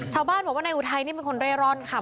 ชาวบ้านบอกว่านายอุทัยนี่เป็นคนเร่ร่อนค่ะ